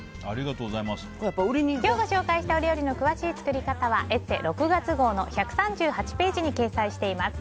今日ご紹介した料理の詳しい作り方は「ＥＳＳＥ」６月号の１３８ページに掲載しています。